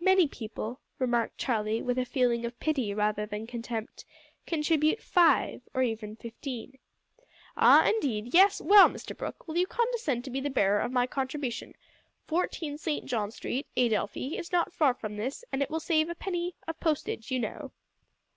"Many people," remarked Charlie, with a feeling of pity rather than contempt, "contribute five, or even fifteen." "Ah, indeed yes, well, Mr Brooke, will you condescend to be the bearer of my contribution? Fourteen Saint John Street, Adelphi, is not far from this, and it will save a penny of postage, you know!"